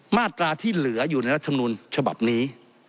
มาตราที่เหลืออยู่ในรัฐมนุนฉบับนี้